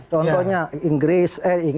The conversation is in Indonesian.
contohnya inggris eh